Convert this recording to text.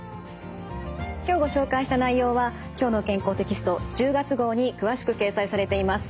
今日ご紹介した内容は「きょうの健康」テキスト１０月号に詳しく掲載されています。